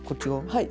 はい。